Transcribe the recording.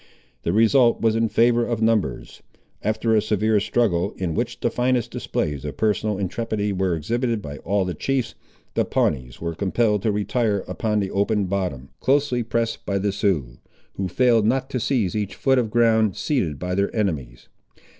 The result was in favour of numbers. After a severe struggle, in which the finest displays of personal intrepidity were exhibited by all the chiefs, the Pawnees were compelled to retire upon the open bottom, closely pressed by the Siouxes, who failed not to seize each foot of ground ceded by their enemies.